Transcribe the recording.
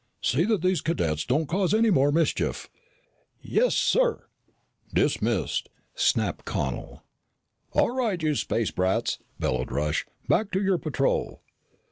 "See that these cadets don't cause any more mischief." "Yes, sir." "Dismissed," snapped Connel. "All right, you space brats," bellowed Rush, "back to your patrol!"